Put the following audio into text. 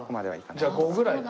じゃあ５ぐらいだ。